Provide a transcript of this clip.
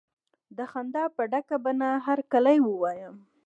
د خندا په ډکه بڼه هرکلی وایه.